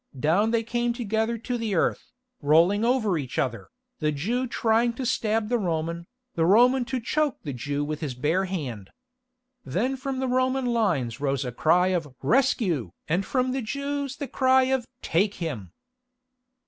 Down they came together to the earth, rolling over each other, the Jew trying to stab the Roman, the Roman to choke the Jew with his bare hand. Then from the Roman lines rose a cry of "Rescue!" and from the Jews a cry of "Take him."